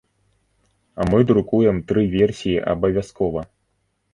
Мы друкуем тры версіі абавязкова.